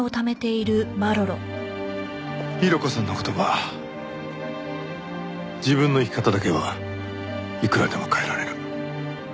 ヒロコさんの言葉自分の生き方だけはいくらでも変えられる。